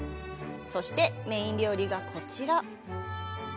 そして、メイン料理がこちら。